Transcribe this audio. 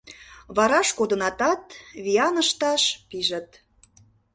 Вараш кодынытат, виян ышташ пижыт.